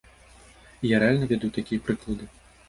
І я рэальна ведаю такія прыклады.